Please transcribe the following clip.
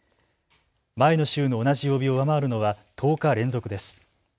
前の週の同じ曜日を上回るのは１０日連続です。